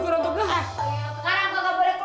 sekarang kau gak boleh keluar tuh